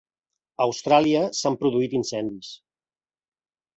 A Austràlia s'han produït incendis